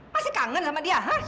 masih kangen sama dia hah